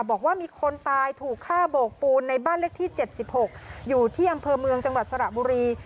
บอกว่ามีคนตายถูกฆ่าโบกปูนในบ้านเลขที่๗๖อยู่ที่อำเภอเมืองจังหวัดสระบุรี